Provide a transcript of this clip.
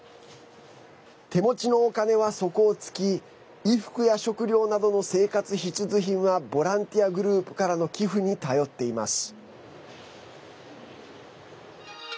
手持ちのお金は底をつき衣服や食料などの生活必需品はボランティアグループからの寄付に頼っています。